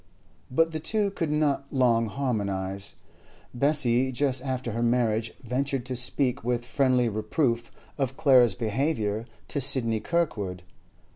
But the two could not long harmonise. Bessie, just after her marriage, ventured to speak with friendly reproof of Clara's behaviour to Sidney Kirkwood.